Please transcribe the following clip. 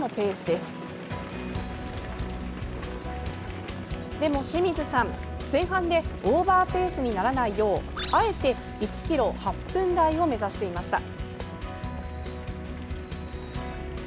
でも清水さん、前半でオーバーペースにならないようあえて１ｋｍ８分台を目指していました。